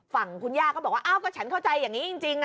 ฝั่งคุณย่าก็บอกว่าอ้าวก็ฉันเข้าใจอย่างนี้จริง